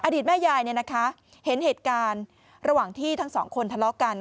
ตแม่ยายเห็นเหตุการณ์ระหว่างที่ทั้งสองคนทะเลาะกัน